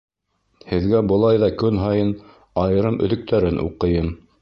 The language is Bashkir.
Һеҙгә былай ҙа көн һайын айырым өҙөктәрен уҡыйым.